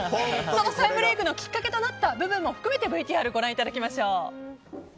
再ブレークのきっかけとなった部分も含めてＶＴＲをご覧いただきましょう。